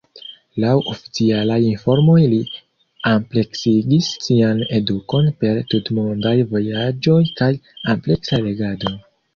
Laŭ oficialaj informoj li ampleksigis sian edukon per tutmondaj vojaĝoj kaj ampleksa legado.